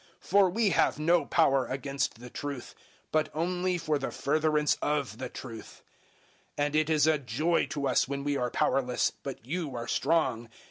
013:008 For we have no power against the truth, but only for the furtherance of the truth; 013:009 and it is a joy to us when we are powerless, but you are strong.